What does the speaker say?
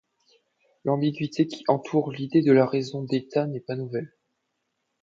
L’ambiguïté qui entoure l'idée de la raison d'État n'est pas nouvelle.